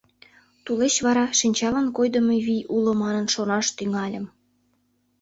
Тулеч вара шинчалан койдымо вий уло манын шонаш тӱҥальым.